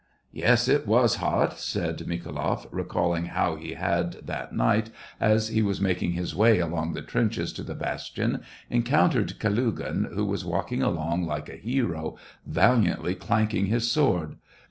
" Yes, it was hot," said MikhaYloff, recalling how he had, that night, as he was making his way along the trenches to the bastion, encountered Kalugin, who was walking along like a hero, valiantly clanking his sword.